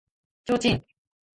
提灯